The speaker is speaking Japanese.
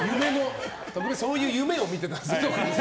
そういう夢を見てたんですね